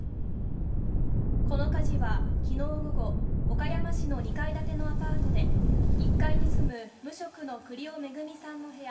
この火事はきのう午後、岡山市の２階建てのアパートで、１階に住む無職の栗尾惠さんの部屋